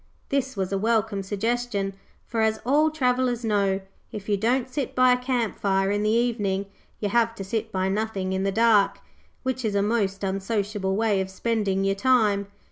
This was a welcome suggestion, for, as all travellers know, if you don't sit by a camp fire in the evening, you have to sit by nothing in the dark, which is a most unsociable way of spending your time.